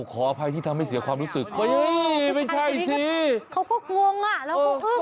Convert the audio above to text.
ขออภัยที่ทำให้เสียความรู้สึกไม่ใช่สิเขาก็งงอ่ะแล้วก็อึ้ง